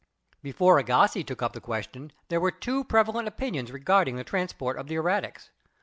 Before Agassiz took up the question, there were two prevalent opinions regarding the transport of the erratics.